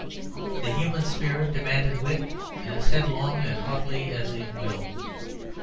The human spirit demanded wit as headlong and haughty as its will.